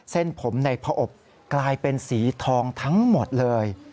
เส้นผมในผอบกลายเป็นสีทองทั้งหมดเลย